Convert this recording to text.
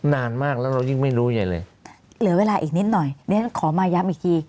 นานมากแล้วเรายิ่งไม่รู้ไยเลยเหลือเวลาอีกนิดหน่อยขอมาย้ำอีกที